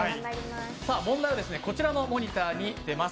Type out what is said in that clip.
問題はこちらのモニターに出ます。